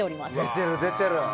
出てる、出てる！